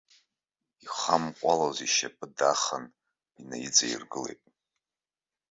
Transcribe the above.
Ихамҟәалоз ишьапы даханы инаиҵаиргылеит.